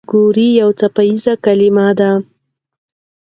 ګور يو څپيز کلمه ده.